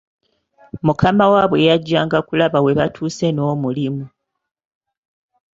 Mukama waabwe yajjanga kulaba webatuuse n'omulimu.